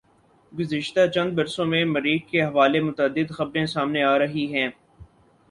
گزشتہ چند بر سوں میں مریخ کے حوالے متعدد خبریں سامنے آرہی ہیں